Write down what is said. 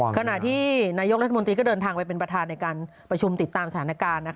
ขณะที่นายกรัฐมนตรีก็เดินทางไปเป็นประธานในการประชุมติดตามสถานการณ์